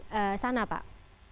berada di sana pak